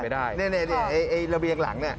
ได้ระเบียงหลัง